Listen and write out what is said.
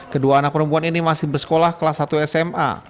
kedua anak perempuan ini masih bersekolah kelas satu sma